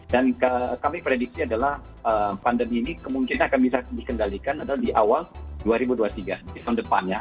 dan kami prediksi adalah pandemi ini kemungkinan akan bisa dikendalikan di awal dua ribu dua puluh tiga di tahun depannya